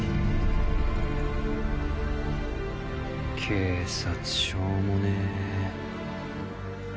警察しょうもねえ。